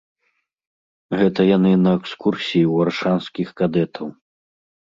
Гэта яны на экскурсіі ў аршанскіх кадэтаў.